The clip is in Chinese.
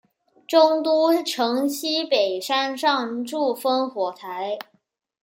中都城西北山上筑烽火台。